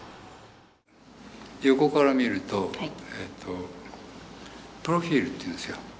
横から見るとプロフィールっていうんですよ。